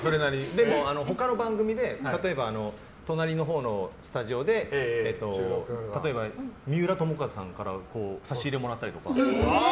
でも、他の番組で隣のほうのスタジオで例えば、三浦友和さんから差し入れもらったりとか。